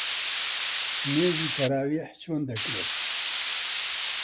نوێژی تەراویح چۆن دەکرێت